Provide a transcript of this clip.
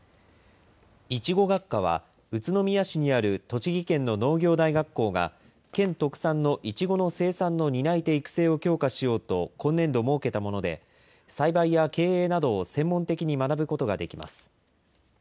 いちご学科は、宇都宮市にある栃木県の農業大学校が、県特産のいちごの生産の担い手育成を強化しようと今年度設けたもので、栽培や経営などを専門的に学ぶことができます。